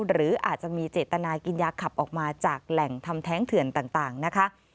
หรืออาจจะมีเจตนากินยาขับออกมาจากแหล่งทำแท้งเถื่อนต่างนะคะ